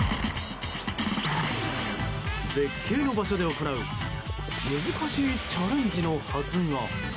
絶景の場所で行う難しいチャレンジのはずが。